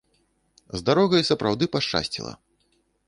З дарогай сапраўды пашчасціла!